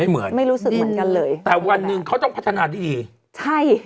เหมือนไม่รู้สึกเหมือนกันเลยแต่วันหนึ่งเขาต้องพัฒนาที่ดีใช่